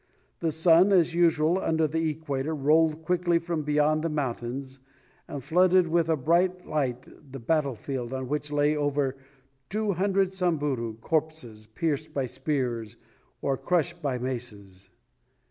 The sun, as is usual under the equator, rolled quickly from beyond the mountains, and flooded with a bright light the battle field on which lay over two hundred Samburu corpses pierced by spears or crushed by maces.